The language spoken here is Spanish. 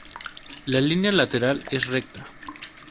La línea lateral es recta.